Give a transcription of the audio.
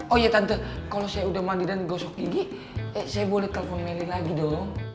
oh iya tante kalau saya udah mandi dan gosok gigi saya boleh telfon meli lagi dong